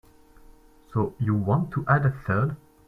So you want to add a third?